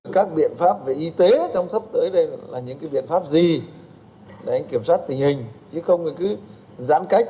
các biện pháp về y tế trong sắp tới đây là những cái biện pháp gì để anh kiểm soát tình hình chứ không thì cứ giãn cách